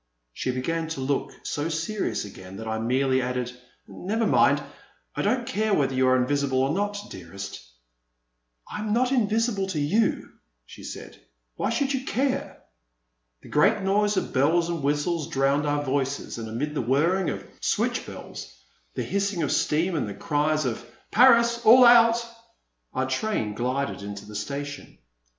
*' She began to look so serious again that I merely added, never mind, I don't care whether you are invisible or not, dearest." I am not invisible to you,*' she said ;why should you care?" A great noise of bells and whistles drowned our voices, and amid the whirring of switch bells, the hissing of steam, and the cries of Paris ! All out !" our train glided into the station.